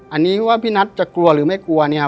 อันนี้ว่าพี่นัทจะกลัวหรือไม่กลัวเนี่ย